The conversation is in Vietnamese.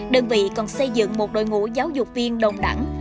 đơn vị còn xây dựng một đội ngũ giáo dục viên đồng đẳng